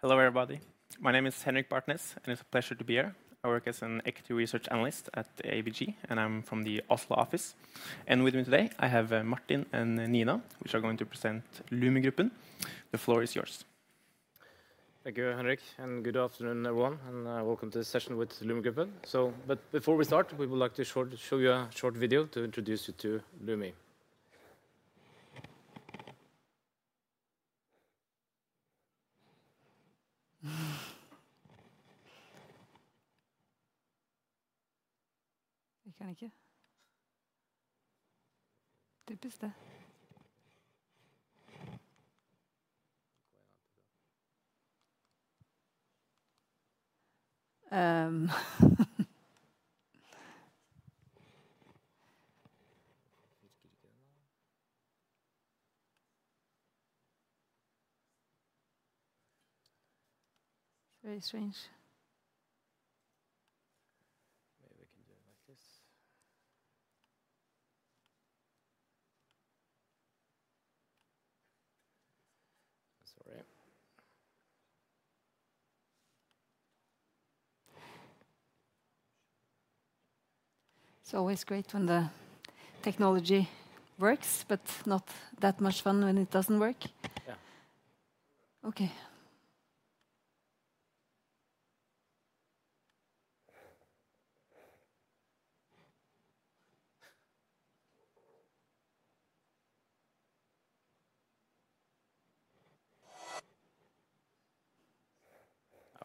Hello, everybody. My name is Henrik Bartnes, and it's a pleasure to be here. I work as an equity research analyst at ABG, and I'm from the Oslo office. With me today, I have Martin and Nina, which are going to present Lumi Gruppen. The floor is yours. Thank you, Henrik, and good afternoon, everyone, and welcome to the session with Lumi Gruppen. Before we start, we would like to show you a short video to introduce you to Lumi. It's very strange. Maybe we can do it like this. I'm sorry. It's always great when the technology works, but not that much fun when it doesn't work. Yeah. Okay.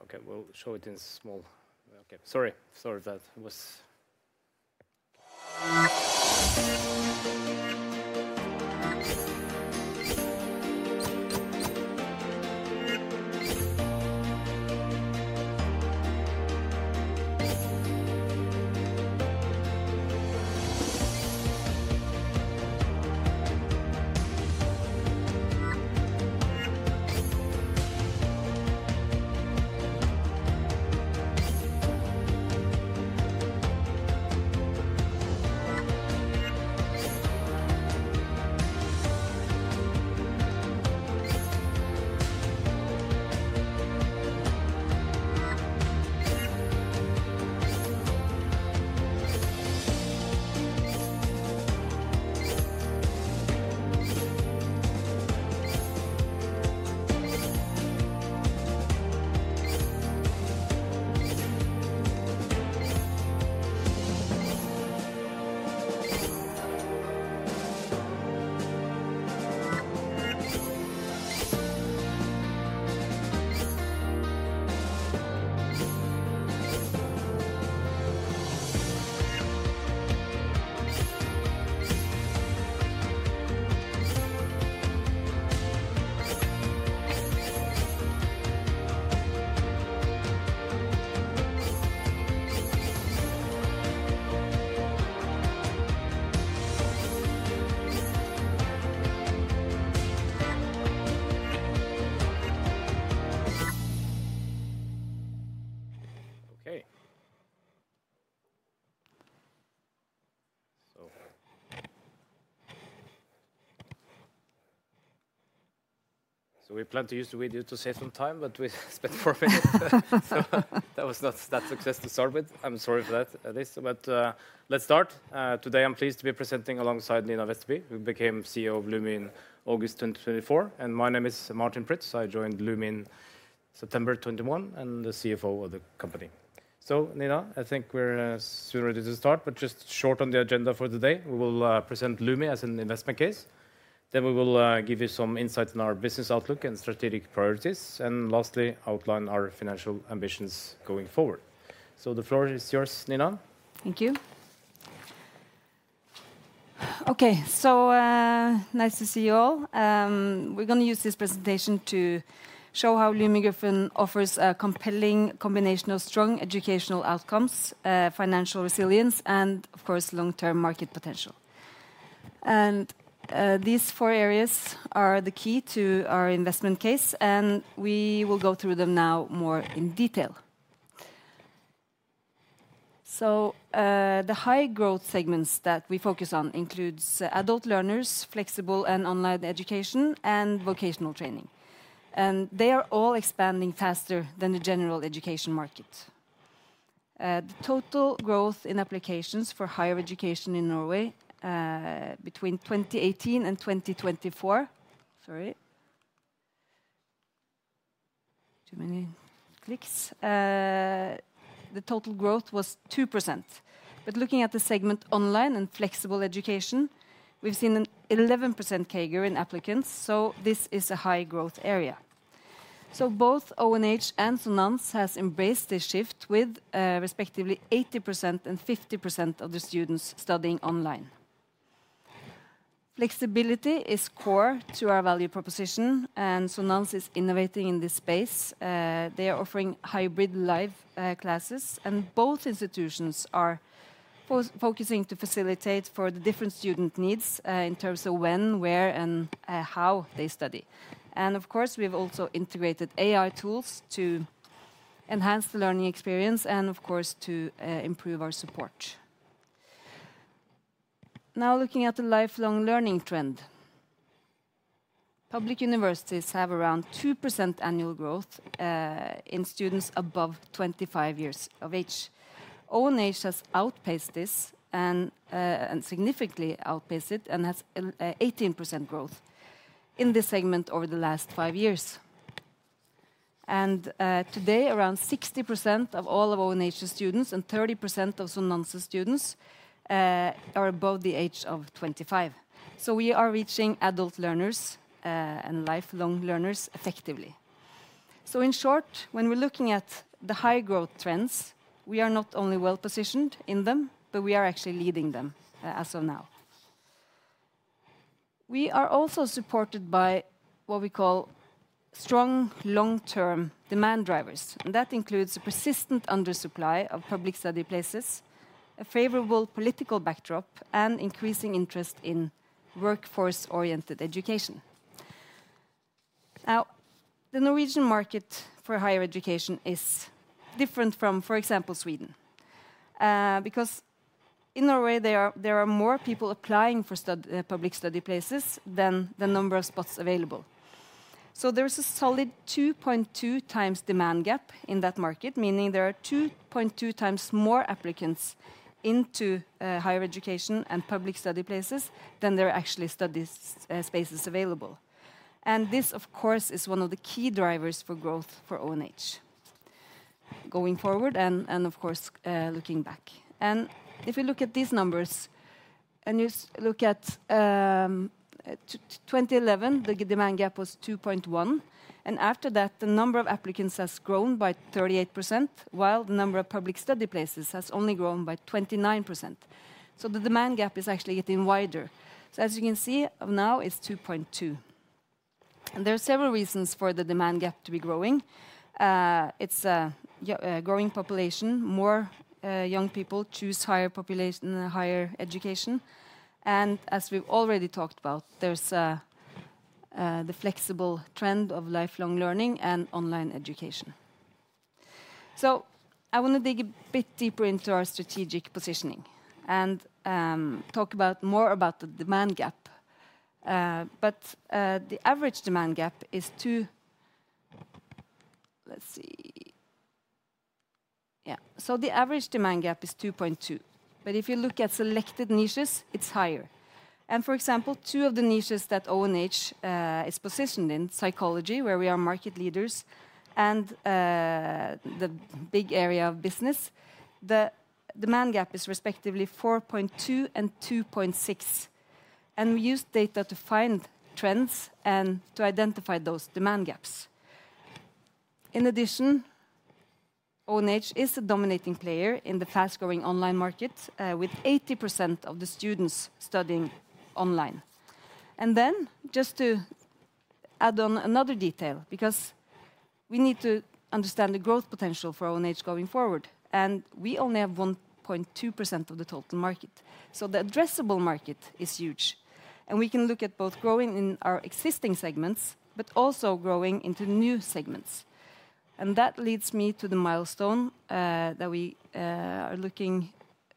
Okay, we'll show it in small... Okay, sorry, sorry that was... Okay. We plan to use the video to save some time, but we spent four minutes, so that was not that successful to start with. I'm sorry for that, at least. Let's start. Today, I'm pleased to be presenting alongside Nina Vesterby, who became CEO of Lumi in August 2024. My name is Martin Prytz. I joined Lumi in September 2021 and am the CFO of the company. Nina, I think we're soon ready to start, but just short on the agenda for today. We will present Lumi as an investment case. We will give you some insights on our business outlook and strategic priorities. Lastly, outline our financial ambitions going forward. The floor is yours, Nina. Thank you. Okay, so nice to see you all. We're going to use this presentation to show how Lumi Gruppen offers a compelling combination of strong educational outcomes, financial resilience, and, of course, long-term market potential. These four areas are the key to our investment case, and we will go through them now more in detail. The high-growth segments that we focus on include adult learners, flexible and online education, and vocational training. They are all expanding faster than the general education market. The total growth in applications for higher education in Norway between 2018 and 2024—sorry, too many clicks—the total growth was 2%. Looking at the segment online and flexible education, we've seen an 11% CAGR in applicants, so this is a high-growth area. Both ONH and Sonans has embraced this shift with respectively 80% and 50% of the students studying online. Flexibility is core to our value proposition, and Sonans is innovating in this space. They are offering hybrid live classes, and both institutions are focusing to facilitate for the different student needs in terms of when, where, and how they study. Of course, we've also integrated AI tools to enhance the learning experience and, of course, to improve our support. Now, looking at the lifelong learning trend, public universities have around 2% annual growth in students above 25 years of age. ONH has outpaced this and significantly outpaced it and has 18% growth in this segment over the last five years. Today, around 60% of all of ONH students and 30% of Sonans students are above the age of 25. We are reaching adult learners and lifelong learners effectively. In short, when we're looking at the high-growth trends, we are not only well-positioned in them, but we are actually leading them as of now. We are also supported by what we call strong long-term demand drivers. That includes a persistent undersupply of public study places, a favorable political backdrop, and increasing interest in workforce-oriented education. Now, the Norwegian market for higher education is different from, for example, Sweden, because in Norway, there are more people applying for public study places than the number of spots available. There is a solid 2.2 times demand gap in that market, meaning there are 2.2 times more applicants into higher education and public study places than there are actually study spaces available. This, of course, is one of the key drivers for growth for ONH going forward and, of course, looking back. If you look at these numbers, and you look at 2011, the demand gap was 2.1. After that, the number of applicants has grown by 38%, while the number of public study places has only grown by 29%. The demand gap is actually getting wider. As you can see, now it is 2.2. There are several reasons for the demand gap to be growing. It is a growing population. More young people choose higher education. As we have already talked about, there is the flexible trend of lifelong learning and online education. I want to dig a bit deeper into our strategic positioning and talk more about the demand gap. The average demand gap is 2... Let us see. Yeah, the average demand gap is 2.2. If you look at selected niches, it is higher. For example, two of the niches that ONH is positioned in, psychology, where we are market leaders, and the big area of business, the demand gap is respectively 4.2 and 2.6. We use data to find trends and to identify those demand gaps. In addition, ONH is a dominating player in the fast-growing online market with 80% of the students studying online. Just to add on another detail, because we need to understand the growth potential for ONH going forward, we only have 1.2% of the total market. The addressable market is huge. We can look at both growing in our existing segments, but also growing into new segments. That leads me to the milestone that we are looking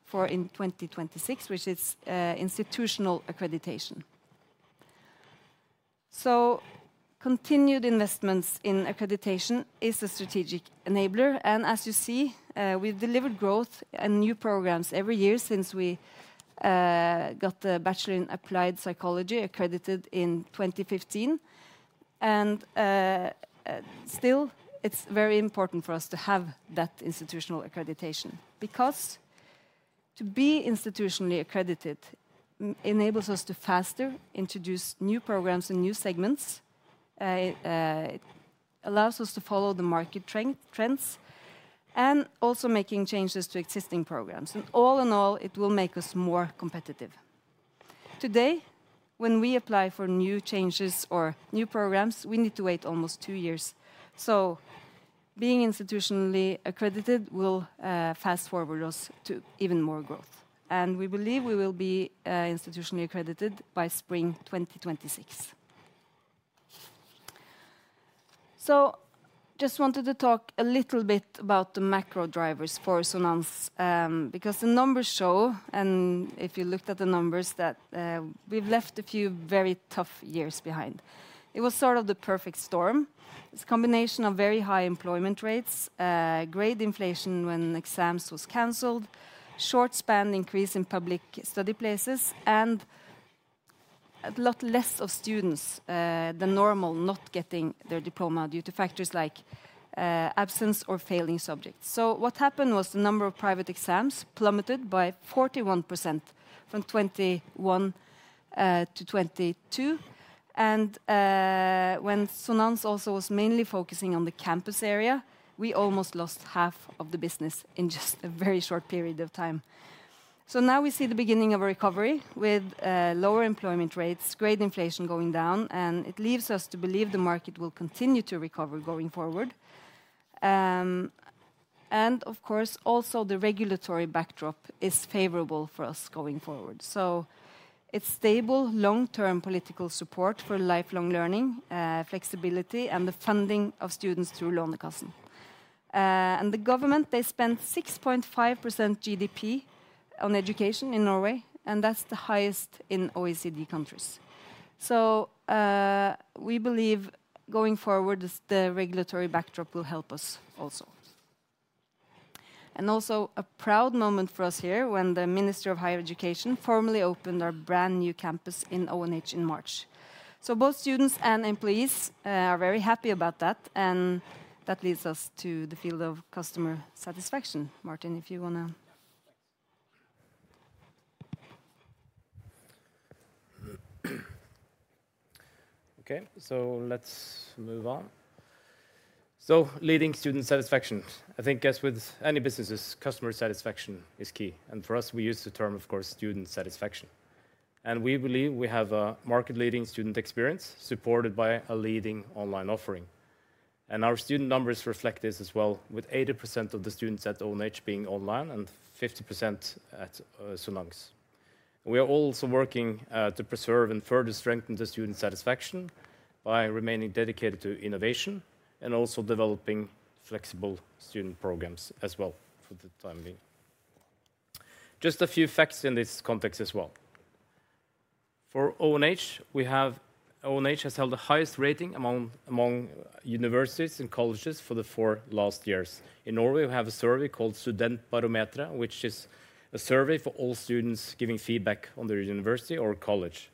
for in 2026, which is institutional accreditation. Continued investments in accreditation is a strategic enabler. As you see, we've delivered growth and new programs every year since we got the Bachelor in Applied Psychology accredited in 2015. It is very important for us to have that institutional accreditation, because to be institutionally accredited enables us to faster introduce new programs and new segments, allows us to follow the market trends, and also making changes to existing programs. All in all, it will make us more competitive. Today, when we apply for new changes or new programs, we need to wait almost two years. Being institutionally accredited will fast forward us to even more growth. We believe we will be institutionally accredited by spring 2026. I just wanted to talk a little bit about the macro drivers for Sonans, because the numbers show, and if you looked at the numbers, that we've left a few very tough years behind. It was sort of the perfect storm. It's a combination of very high employment rates, great inflation when exams were canceled, a short span increase in public study places, and a lot less of students than normal not getting their diploma due to factors like absence or failing subjects. What happened was the number of private exams plummeted by 41% from 2021 to 2022. When Sonans also was mainly focusing on the campus area, we almost lost half of the business in just a very short period of time. Now we see the beginning of a recovery with lower employment rates, great inflation going down, and it leaves us to believe the market will continue to recover going forward. Of course, also the regulatory backdrop is favorable for us going forward. It is stable long-term political support for lifelong learning, flexibility, and the funding of students through Lånekassen. The government, they spent 6.5% GDP on education in Norway, and that is the highest in OECD countries. We believe going forward, the regulatory backdrop will help us also. A proud moment for us here when the Minister of Higher Education formally opened our brand new campus in ONH in March. Both students and employees are very happy about that, and that leads us to the field of customer satisfaction. Martin, if you want to... Okay, so let's move on. Leading student satisfaction, I think as with any businesses, customer satisfaction is key. For us, we use the term, of course, student satisfaction. We believe we have a market-leading student experience supported by a leading online offering. Our student numbers reflect this as well, with 80% of the students at ONH being online and 50% at Sonans. We are also working to preserve and further strengthen the student satisfaction by remaining dedicated to innovation and also developing flexible student programs as well for the time being. Just a few facts in this context as well. For ONH, we have ONH has held the highest rating among universities and colleges for the four last years. In Norway, we have a survey called Studiebarometeret, which is a survey for all students giving feedback on their university or college,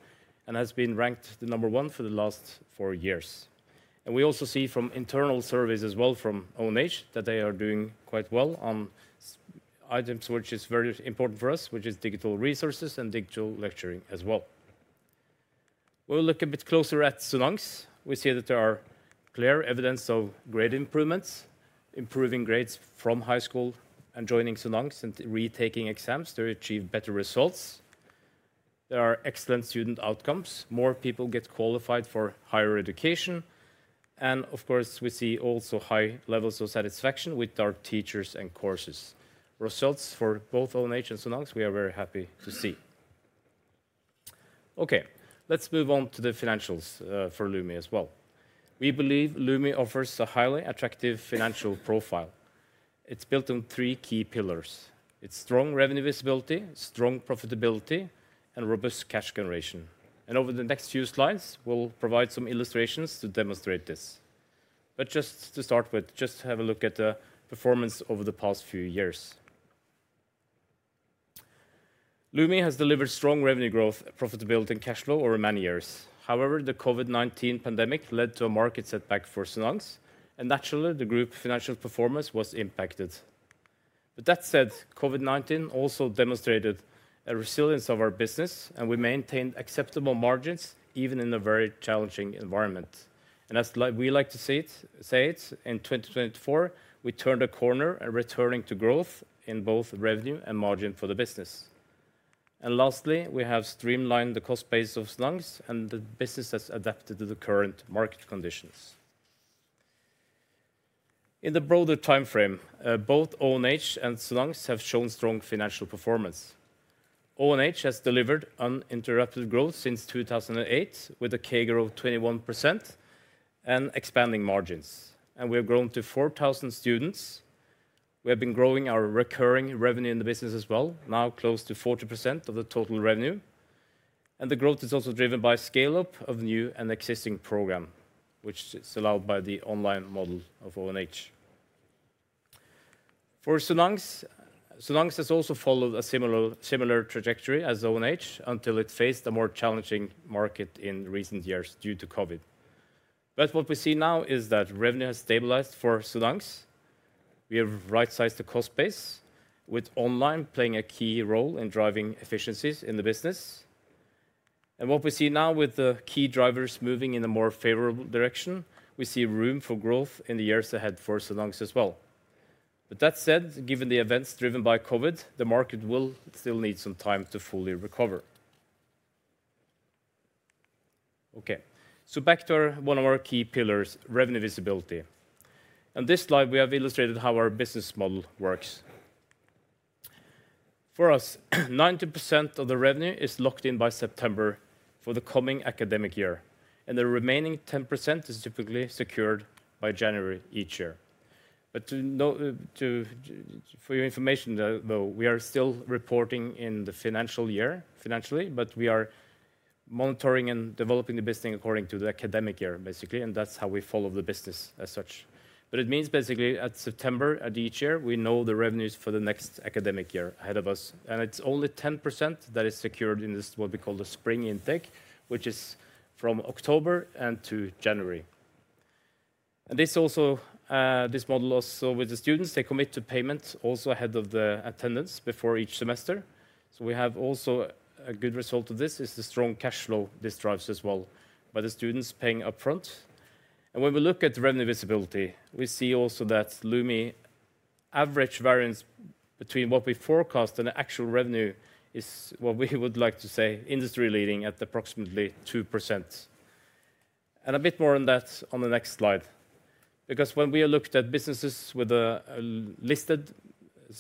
and has been ranked the number one for the last four years. We also see from internal surveys as well from ONH that they are doing quite well on items, which is very important for us, which is digital resources and digital lecturing as well. We'll look a bit closer at Sonans. We see that there are clear evidence of grade improvements, improving grades from high school and joining Sonans and retaking exams to achieve better results. There are excellent student outcomes. More people get qualified for higher education. Of course, we see also high levels of satisfaction with our teachers and courses. Results for both ONH and Sonans, we are very happy to see. Okay, let's move on to the financials for Lumi as well. We believe Lumi offers a highly attractive financial profile. It's built on three key pillars: its strong revenue visibility, strong profitability, and robust cash generation. Over the next few slides, we'll provide some illustrations to demonstrate this. Just to start with, just have a look at the performance over the past few years. Lumi has delivered strong revenue growth, profitability, and cash flow over many years. However, the COVID-19 pandemic led to a market setback for Sonans, and naturally, the group financial performance was impacted. That said, COVID-19 also demonstrated a resilience of our business, and we maintained acceptable margins even in a very challenging environment. As we like to say it, in 2024, we turned a corner and returned to growth in both revenue and margin for the business. Lastly, we have streamlined the cost basis of Sonans and the business has adapted to the current market conditions. In the broader time frame, both ONH and Sonans have shown strong financial performance. ONH has delivered uninterrupted growth since 2008 with a CAGR of 21% and expanding margins. We have grown to 4,000 students. We have been growing our recurring revenue in the business as well, now close to 40% of the total revenue. The growth is also driven by scale-up of new and existing programs, which is allowed by the online model of ONH. For Sonans, Sonans has also followed a similar trajectory as ONH until it faced a more challenging market in recent years due to COVID. What we see now is that revenue has stabilized for Sonans. We have right-sized the cost base, with online playing a key role in driving efficiencies in the business. What we see now with the key drivers moving in a more favorable direction, we see room for growth in the years ahead for Sonans as well. That said, given the events driven by COVID, the market will still need some time to fully recover. Okay, back to one of our key pillars, revenue visibility. On this slide, we have illustrated how our business model works. For us, 90% of the revenue is locked in by September for the coming academic year, and the remaining 10% is typically secured by January each year. For your information, though, we are still reporting in the financial year, financially, but we are monitoring and developing the business according to the academic year, basically, and that's how we follow the business as such. It means basically at September, at each year, we know the revenues for the next academic year ahead of us. It's only 10% that is secured in what we call the spring intake, which is from October to January. This model also with the students, they commit to payment also ahead of the attendance before each semester. We have also a good result of this, which is the strong cash flow this drives as well by the students paying upfront. When we look at revenue visibility, we see also that Lumi average variance between what we forecast and actual revenue is what we would like to say industry-leading at approximately 2%. A bit more on that on the next slide, because when we looked at businesses with listed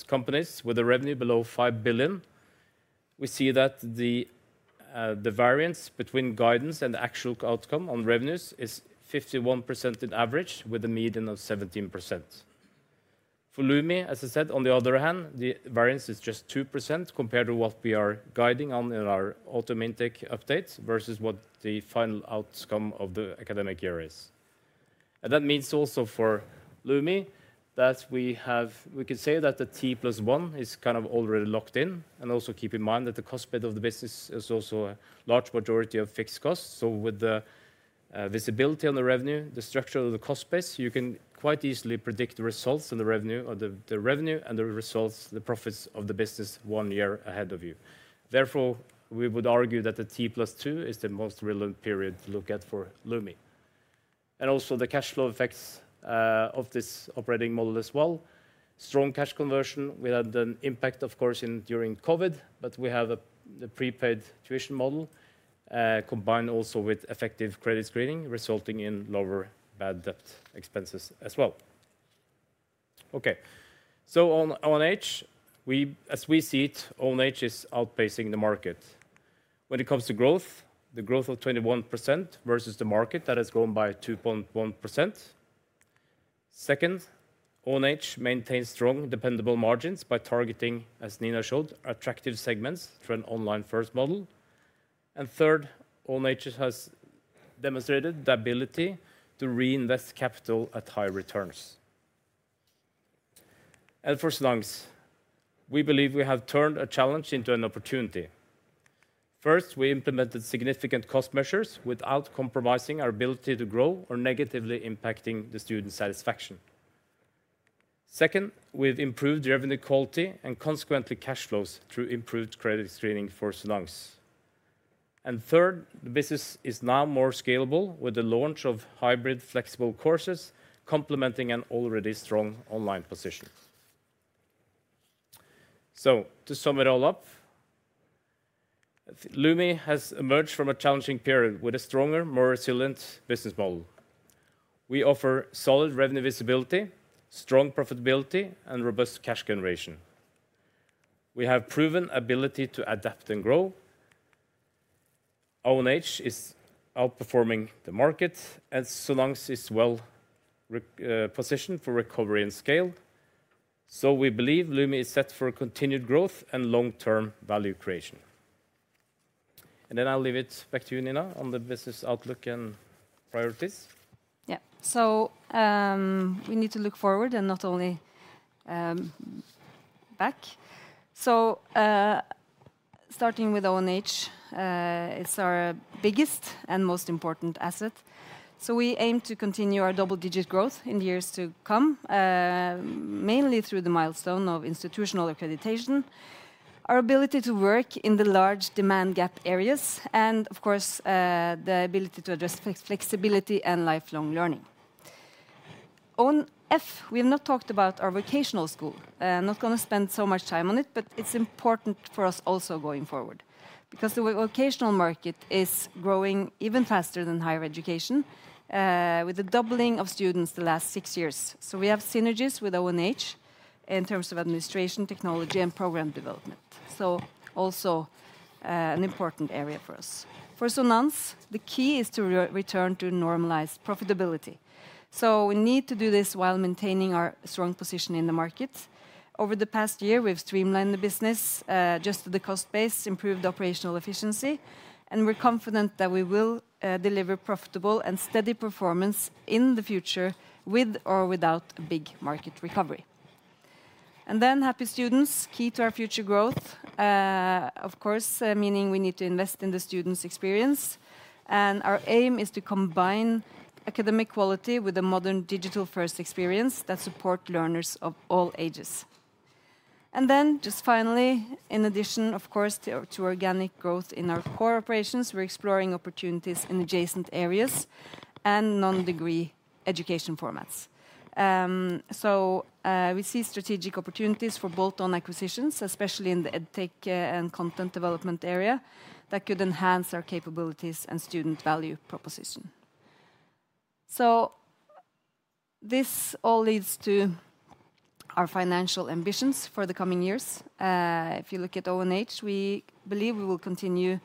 companies with a revenue below 5 billion, we see that the variance between guidance and actual outcome on revenues is 51% on average with a median of 17%. For Lumi, as I said, on the other hand, the variance is just 2% compared to what we are guiding on in our autumn intake updates versus what the final outcome of the academic year is. That means also for Lumi that we can say that the T+1 is kind of already locked in. Also keep in mind that the cost bit of the business is also a large majority of fixed costs. With the visibility on the revenue, the structure of the cost base, you can quite easily predict the results and the revenue and the results, the profits of the business one year ahead of you. Therefore, we would argue that the T+2 is the most relevant period to look at for Lumi. Also the cash flow effects of this operating model as well. Strong cash conversion, we had an impact, of course, during COVID, but we have a prepaid tuition model combined also with effective credit screening, resulting in lower bad debt expenses as well. Okay, on ONH, as we see it, ONH is outpacing the market. When it comes to growth, the growth of 21% versus the market that has grown by 2.1%. Second, ONH maintains strong dependable margins by targeting, as Nina showed, attractive segments through an online-first model. Third, ONH has demonstrated the ability to reinvest capital at high returns. For Sonans, we believe we have turned a challenge into an opportunity. First, we implemented significant cost measures without compromising our ability to grow or negatively impacting the student satisfaction. Second, we've improved revenue quality and consequently cash flows through improved credit screening for Sonans. Third, the business is now more scalable with the launch of hybrid flexible courses complementing an already strong online position. To sum it all up, Lumi has emerged from a challenging period with a stronger, more resilient business model. We offer solid revenue visibility, strong profitability, and robust cash generation. We have proven ability to adapt and grow. ONH is outperforming the market, and Sonans is well positioned for recovery and scale. We believe Lumi is set for continued growth and long-term value creation. I'll leave it back to you, Nina, on the business outlook and priorities. Yeah, so we need to look forward and not only back. Starting with ONH, it's our biggest and most important asset. We aim to continue our double-digit growth in the years to come, mainly through the milestone of institutional accreditation, our ability to work in the large demand gap areas, and of course, the ability to address flexibility and lifelong learning. ONF, we have not talked about our vocational school. I'm not going to spend so much time on it, but it's important for us also going forward because the vocational market is growing even faster than higher education with a doubling of students the last six years. We have synergies with ONH in terms of administration, technology, and program development. Also an important area for us. For Sonans, the key is to return to normalized profitability. We need to do this while maintaining our strong position in the market. Over the past year, we've streamlined the business, adjusted the cost base, improved operational efficiency, and we're confident that we will deliver profitable and steady performance in the future with or without a big market recovery. Happy students, key to our future growth, of course, meaning we need to invest in the students' experience. Our aim is to combine academic quality with a modern digital-first experience that supports learners of all ages. Finally, in addition, of course, to organic growth in our core operations, we're exploring opportunities in adjacent areas and non-degree education formats. We see strategic opportunities for bolt-on acquisitions, especially in the EdTech and content development area that could enhance our capabilities and student value proposition. This all leads to our financial ambitions for the coming years. If you look at ONH, we believe we will continue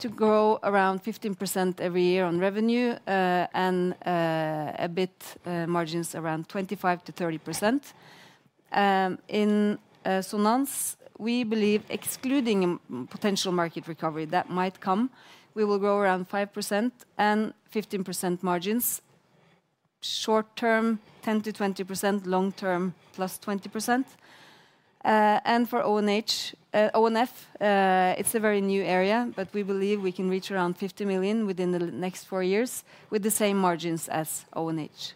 to grow around 15% every year on revenue and a bit margins around 25%-30%. In Sonans, we believe excluding potential market recovery that might come, we will grow around 5% and 15% margins, short-term 10%-20%, long-term +20%. For ONF, it is a very new area, but we believe we can reach around 50 million within the next four years with the same margins as ONH.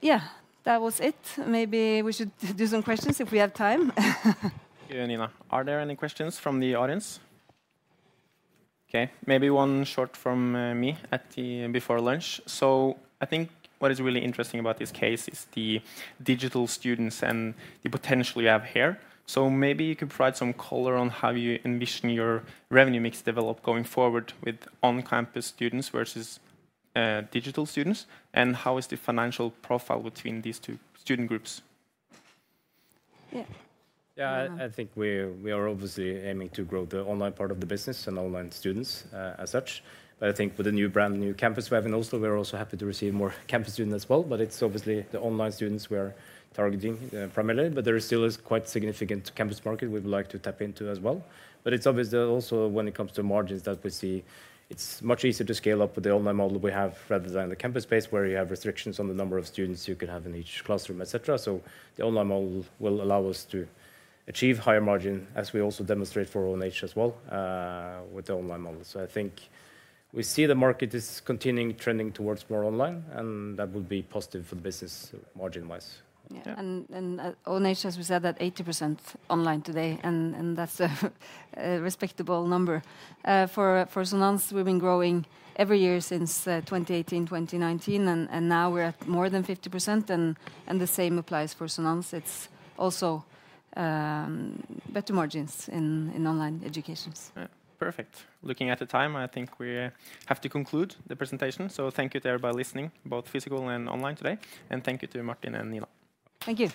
Yeah, that was it. Maybe we should do some questions if we have time. Thank you, Nina. Are there any questions from the audience? Okay, maybe one short from me before lunch. I think what is really interesting about this case is the digital students and the potential you have here. Maybe you could provide some color on how you envision your revenue mix developed going forward with on-campus students versus digital students, and how is the financial profile between these two student groups? Yeah. Yeah, I think we are obviously aiming to grow the online part of the business and online students as such. I think with the brand new campus we have in Oslo, we're also happy to receive more campus students as well. It's obviously the online students we are targeting primarily, but there still is quite a significant campus market we would like to tap into as well. It's obviously also when it comes to margins that we see it's much easier to scale up with the online model we have rather than the campus space where you have restrictions on the number of students you can have in each classroom, etc. The online model will allow us to achieve higher margin as we also demonstrate for ONH as well with the online model. I think we see the market is continuing trending towards more online, and that would be positive for the business margin-wise. Yeah, and ONH, as we said, that 80% online today, and that's a respectable number. For Sonans, we've been growing every year since 2018, 2019, and now we're at more than 50%, and the same applies for Sonans. It's also better margins in online educations. Perfect. Looking at the time, I think we have to conclude the presentation. Thank you to everybody listening, both physical and online today. Thank you to Martin and Nina. Thank you.